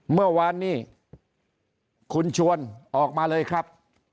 เมื่อวานนี้คุณชวนออกมาเลยครับ